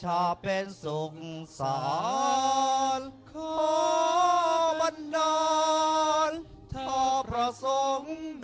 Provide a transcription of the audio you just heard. และผู้มีเกียรติที่กรบท่านได้ลุกขึ้นยืนโดยพร้อมเพียงกันครับ